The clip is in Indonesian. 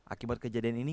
akibat kejadian ini